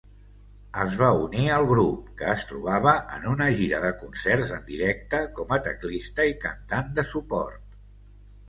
Es va unir al grup, que es trobava en una gira de concerts en directe, com a teclista i cantant de suport.